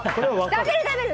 食べる、食べる。